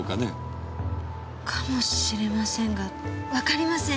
かもしれませんがわかりません。